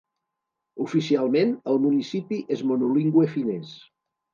Oficialment, el municipi és monolingüe finès.